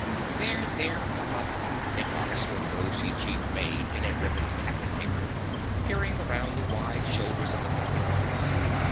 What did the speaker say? "There, there, Puffup," admonished a rosy cheeked maid in a ribboned cap and apron, peering around the wide shoulders of the footman.